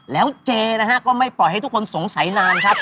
แล้วเจนะฮะก็ไม่ปล่อยให้ทุกคนสงสัยนานครับ